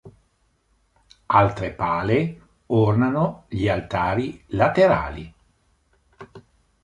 Altre pale ornano gli altari laterali.